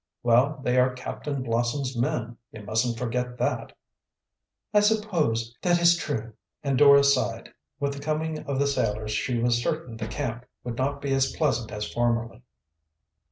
"Well, they are Captain Blossom's men, you mustn't forget that." "I suppose that is true," and Dora sighed. With the coming of the sailors she was certain the camp would not be as pleasant as formerly.